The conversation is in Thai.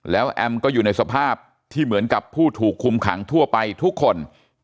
แล้วแอมก็อยู่ในสภาพที่เหมือนกับผู้ถูกคุมขังทั่วไปทุกคน